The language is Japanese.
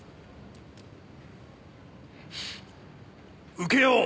受けよう。